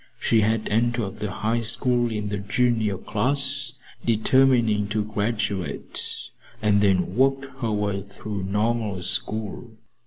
She had entered the High School in the junior class, determining to graduate and then to work her way through Normal School.